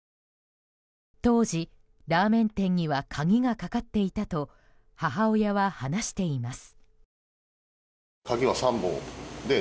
当時ラーメン店には鍵がかかっていたと母親は話しています。